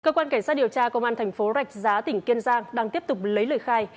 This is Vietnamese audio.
cơ quan cảnh sát điều tra công an thành phố rạch giá tỉnh kiên giang đang tiếp tục lấy lời khai